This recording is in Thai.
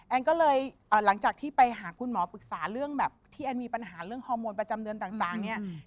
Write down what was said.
ก็เลยหลังจากที่ไปหาคุณหมอปรึกษาเรื่องแบบที่แอนมีปัญหาเรื่องฮอร์โมนประจำเดือนต่างเนี่ย